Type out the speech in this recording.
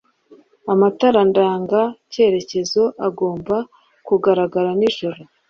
Amatara ndanga cyerekezo agomba kugaragara n'ijoro